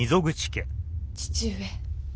父上。